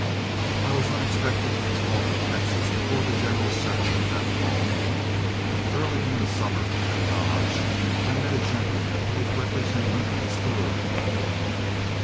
I was unexpectedly called to Texas before the general settlement that fall. Early in the summer, at Dodge, I met a gentleman who was representing a distillery in Illinois.